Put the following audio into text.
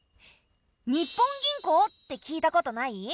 日本銀行って聞いたことない？